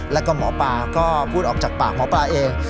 แล้วก็หมอปลาก็พูดออกจากปากหมอปลาเอง